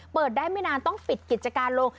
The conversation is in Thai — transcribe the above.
เปิดได้ไม่นานต้องปิดกิจการลง